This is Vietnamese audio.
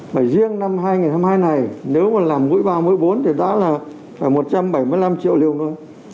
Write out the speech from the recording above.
và riêng năm hai nghìn hai mươi hai này nếu mà làm mũi ba mũi bốn thì đã là phải một trăm bảy mươi năm triệu liều nữa